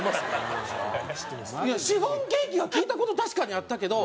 いやシフォンケーキは聞いた事確かにあったけど。